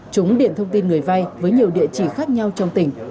chúng điện thông tin người vai với nhiều địa chỉ khác nhau trong tỉnh